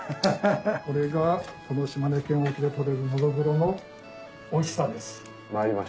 これがこの島根県沖で取れるノドグロのおいしさです。